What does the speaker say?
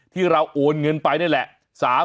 ที่เราโอนเงินไปนั่นแหละ